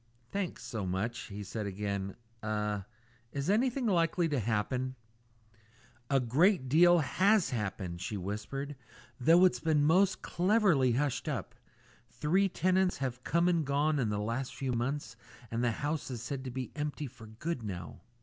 "Thanks so much," he said again. "Er is anything likely to happen?" "A great deal has happened," she whispered, "though it's been most cleverly hushed up. Three tenants have come and gone in the last few months, and the house is said to be empty for good now."